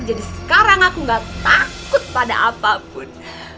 jadi sekarang aku gak takut pada apapun